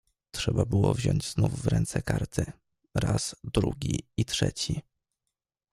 "Trzeba było wziąć znów w ręce karty, raz, drugi i trzeci."